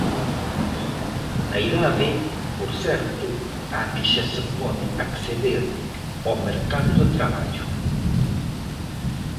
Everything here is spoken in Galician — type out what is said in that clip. A idade, por certo, á que xa se pode acceder ao mercado de traballo.